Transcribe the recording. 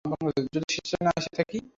যদি স্বেচ্ছায় না এসে থাকি?